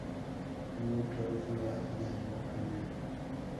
No hubo cláusula de no cambio.